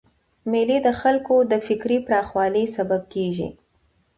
مېلې د خلکو د فکري پراخوالي سبب کېږي.